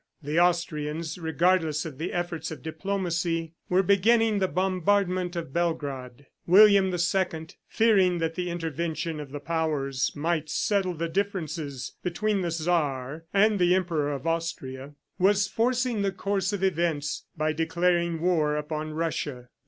The Austrians, regardless of the efforts of diplomacy, were beginning the bombardment of Belgrade. William II, fearing that the intervention of the Powers might settle the differences between the Czar and the Emperor of Austria, was forcing the course of events by declaring war upon Russia.